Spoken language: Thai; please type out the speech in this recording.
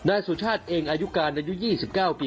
นายสุชาติเองอายุการอายุ๒๙ปี